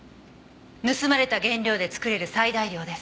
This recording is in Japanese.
盗まれた原料で作れる最大量です。